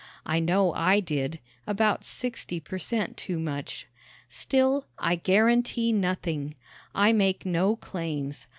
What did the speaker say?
I know I did about sixty per cent too much. Still, I guarantee nothing. I make no claims.